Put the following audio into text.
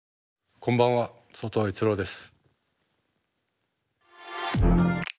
こんばんは外尾悦郎です。